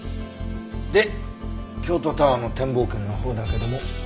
で京都タワーの展望券のほうだけども。